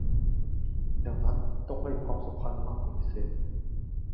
ดังนั้นจึงต้องให้ความสำคัญมากเป็นพิเศษ